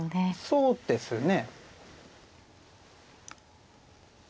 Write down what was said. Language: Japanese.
そうですね